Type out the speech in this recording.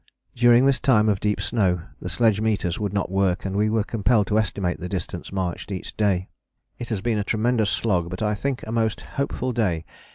] During this time of deep snow the sledge meters would not work and we were compelled to estimate the distance marched each day. "It has been a tremendous slog, but I think a most hopeful day.